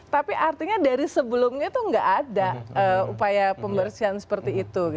tapi artinya dari sebelumnya itu nggak ada upaya pembersihan seperti itu